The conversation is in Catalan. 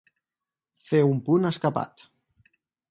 Fer un punt escapat.